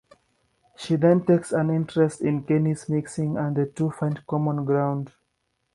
She then takes an interest in Kenny's mixing and the two find common ground.